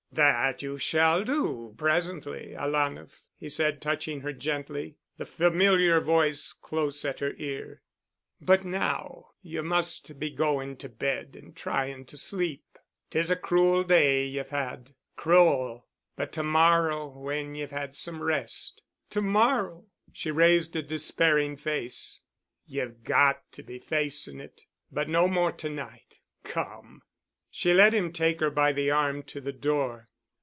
"That you shall do presently, alanah," he said, touching her gently, the familiar voice close at her ear. "But now you must be going to bed and trying to sleep. 'Tis a cruel day ye've had—cruel! But to morrow when ye've had some rest——" "To morrow——?" she raised a despairing face. "Ye've got to be facing it. But no more to night. Come." She let him take her by the arm to the door.